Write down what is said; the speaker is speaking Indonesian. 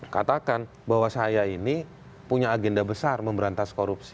katakan bahwa saya ini punya agenda besar memberantas korupsi